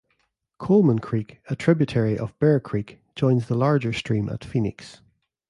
Coleman Creek, a tributary of Bear Creek, joins the larger stream at Phoenix.